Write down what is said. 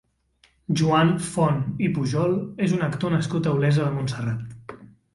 Joan Font i Pujol és un actor nascut a Olesa de Montserrat.